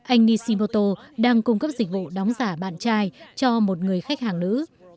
anh nishimoto đang cung cấp dịch vụ đóng giả bạn trai cho một người khách hàng nữ